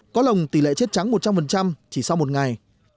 có lồng tỷ lệ chết trắng một trăm linh chỉ sau một ngày